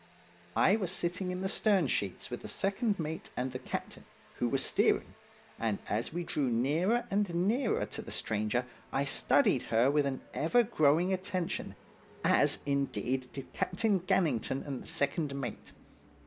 I was sitting in the stern sheets with the second mate and the captain, who was steering, and as we drew nearer and nearer to the stranger I studied her with an ever growing attention, as, indeed, did Captain Gannington and the second mate.